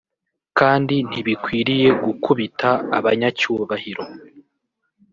kandi ntibikwiriye gukubita abanyacyubahiro